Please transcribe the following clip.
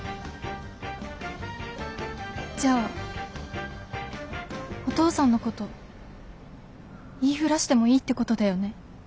じゃあお父さんのこと言いふらしてもいいってことだよね？